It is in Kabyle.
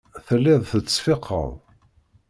Telliḍ tettseffiqeḍ.